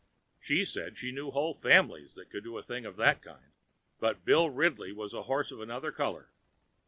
She said she knew whole families that could do a thing of that kind, but Bill Ridley was a horse of another color.